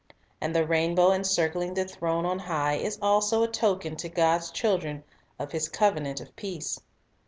And the rainbow encircling the throne on high is also a token to God's children of His covenant of peace.